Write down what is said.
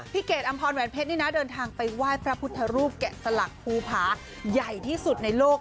เกดอำพรแหวนเพชรนี่นะเดินทางไปไหว้พระพุทธรูปแกะสลักภูผาใหญ่ที่สุดในโลก